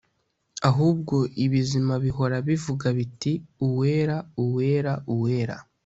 Ahubwo ibizima bihora bivuga biti Uwera Uwera Uwera